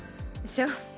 そう。